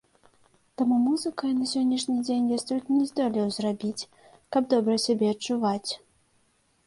Таму музыкай на сённяшні дзень я столькі не здолею зарабіць, каб добра сябе адчуваць.